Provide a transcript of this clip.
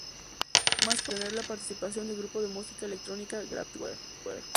Más conocido por tener la participación de grupo de música electrónica Kraftwerk.